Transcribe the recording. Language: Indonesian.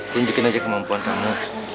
tunjukin aja kemampuan kamu